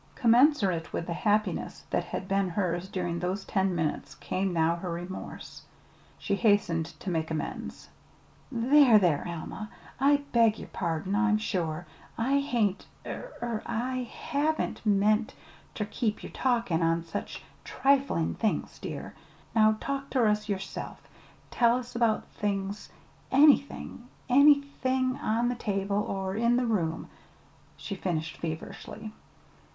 Commensurate with the happiness that had been hers during those ten minutes came now her remorse. She hastened to make amends. "There, there, Alma, I beg yer pardon, I'm sure. I hain't er I haven't meant ter keep ye talkin' on such triflin' things, dear. Now talk ter us yer self. Tell us about things anythin' anythin' on the table or in the room," she finished feverishly.